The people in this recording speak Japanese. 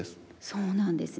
そうなんですね。